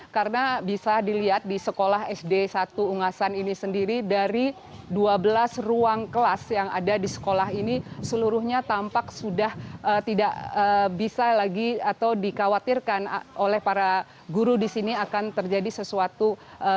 karena bisa dilihat di sekolah sd satu ungasan ini sendiri dari dua belas ruang kelas yang ada di sekolah ini seluruhnya tampak sudah tidak bisa lagi atau dikhawatirkan oleh para guru di sini akan terjadi sesuatu jadinya